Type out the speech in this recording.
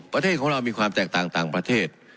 ประเทศของเรามีความแตกต่างต่างประเทศ